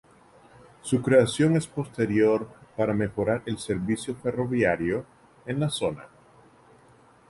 Su creación es posterior para mejorar el servicio ferroviario en la zona.